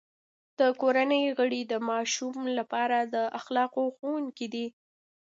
د کورنۍ غړي د ماشوم لپاره د اخلاقو ښوونکي دي.